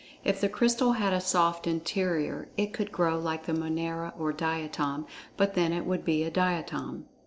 If the Crystal had a soft interior, it could grow like the Monera or Diatom, but then it would be a Diatom.